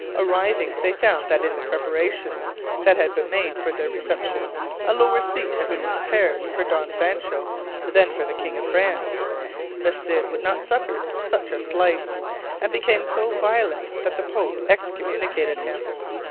Arriving, they found that in the preparations that had been made for their reception a lower seat had been prepared for Don Sancho than for the King of France. The Cid would not suffer such a slight, and became so violent that the Pope excommunicated him.